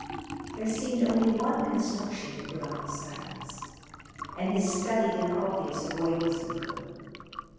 There seemed only one construction to put on his silence, and his studied and obvious avoidance of her.